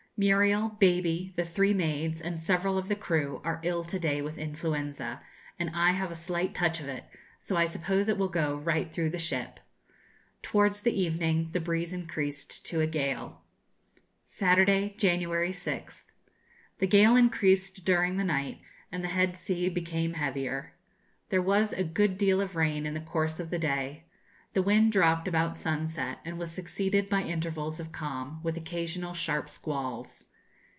Muriel, Baby, the three maids, and several of the crew, are ill to day with influenza, and I have a slight touch of it, so I suppose it will go right through the ship. Towards the evening the breeze increased to a gale. Saturday, January 6th. The gale increased during the night, and the head sea became heavier. There was a good deal of rain in the course of the day. The wind dropped about sunset, and was succeeded by intervals of calm, with occasional sharp squalls.